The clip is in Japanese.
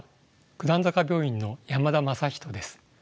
九段坂病院の山田正仁です。